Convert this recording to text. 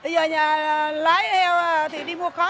giờ nhà lái heo thì đi mua khó